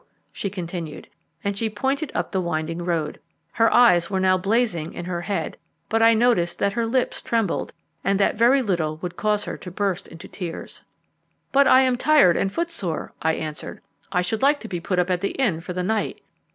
she continued, and she pointed up the winding road. Her eyes were now blazing in her head, but I noticed that her lips trembled, and that very little would cause her to burst into tears. "But I am tired and footsore," I answered. "I should like to put up at the inn for the night."